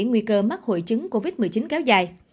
nguy cơ mắc hội chứng covid một mươi chín kéo dài